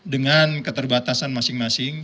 dengan keterbatasan masing masing